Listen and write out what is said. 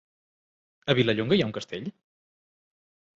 A Vilallonga hi ha un castell?